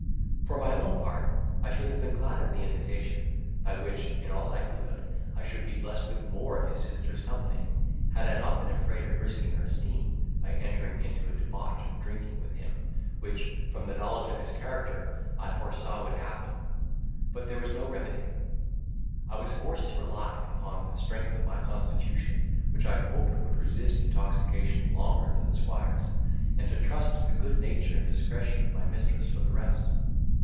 For my own part, I should have been glad of the invitation, by which, in all likelihood, I should be blessed with more of his sister's company, had I not been afraid of risking her esteem, by entering into a debauch of drinking with him, which, from the knowledge of his character, I foresaw would happen: but there was no remedy. I was forced to rely upon the strength of my constitution, which I hoped would resist intoxication longer than the squire's, and to trust to the good nature and discretion of my mistress for the rest.